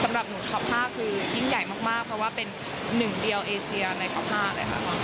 สำหรับหนูท็อป๕คือยิ่งใหญ่มากเพราะว่าเป็นหนึ่งเดียวเอเซียในท็อป๕เลยค่ะ